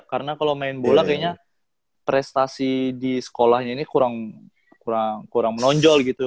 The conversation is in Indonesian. karena kalau main bola kayaknya prestasi di sekolahnya ini kurang menonjol gitu